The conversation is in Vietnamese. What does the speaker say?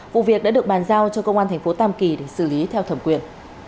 vụ việc đã được bàn giao cho công an thành phố tam kỳ để xử lý theo thẩm quyền